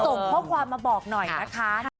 ส่งข้อความมาบอกหน่อยนะคะ